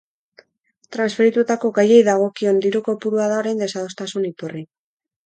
Transferitutako gaiei dagokion diru kopurua da orain desadostasun iturri.